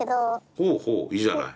ほうほういいじゃない。